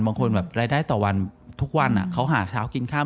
บางคนแบบรายได้ต่อวันทุกวันเขาหาเช้ากินข้าม